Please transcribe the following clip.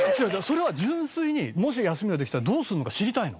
それは純粋にもし休みができたらどうするのか知りたいの。